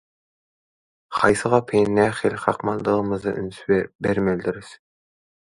Haýsy gapyny nähili kakmalydygymyza üns bermelidirs.